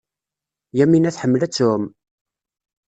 Yamina tḥemmel ad tɛum.